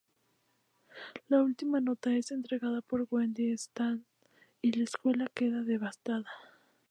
La última nota es entregada por Wendy a Stan y la escuela queda devastada.